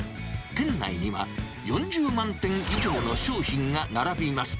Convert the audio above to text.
店内には４０万点以上の商品が並びます。